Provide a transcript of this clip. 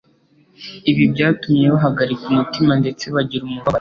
Ibi byatumye bahagarika umutima ndetse bagira umubabaro